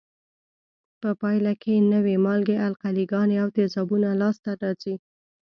په پایله کې نوې مالګې، القلي ګانې او تیزابونه لاس ته راځي.